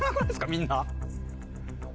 みんな。